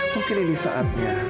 mungkin ini saatnya